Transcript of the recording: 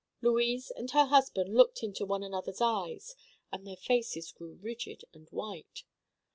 Louise and her husband looked into one another's eyes and their faces grew rigid and white.